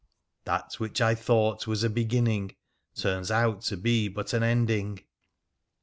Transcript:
That which I thought was a beginning turns out to be but an ending.